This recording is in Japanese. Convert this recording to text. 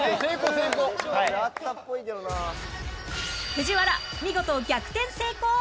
藤原見事逆転成功！